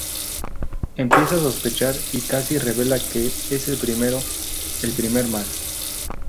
Empieza a sospechar y Cassie revela que es el Primero, el primer mal.